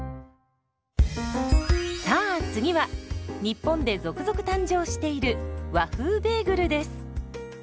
さあ次は日本で続々誕生している「和風ベーグル」です。